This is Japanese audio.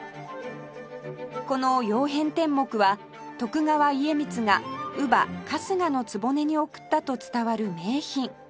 この「曜変天目」は徳川家光が乳母春日局に贈ったと伝わる名品